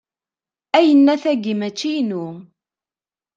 Ayennat-agi mačči inu.